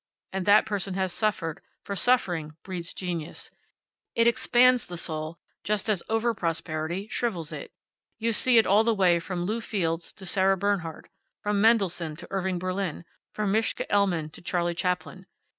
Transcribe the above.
And that person has suffered, for suffering breeds genius. It expands the soul just as over prosperity shrivels it. You see it all the way from Lew Fields to Sarah Bernhardt; from Mendelssohn to Irving Berlin; from Mischa Elman to Charlie Chaplin.